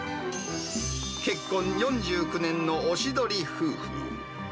結婚４９年のおしどり夫婦。